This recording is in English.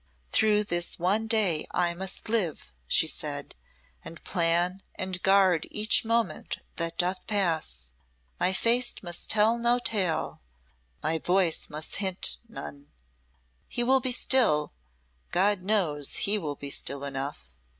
"Through this one day I must live," she said, "and plan, and guard each moment that doth pass. My face must tell no tale, my voice must hint none. He will be still God knows he will be still enough."